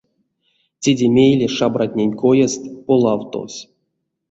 Теде мейле шабратнень коест полавтовсь.